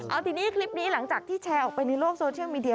เอาทีนี้คลิปนี้หลังจากที่แชร์ออกไปในโลกโซเชียลมีเดีย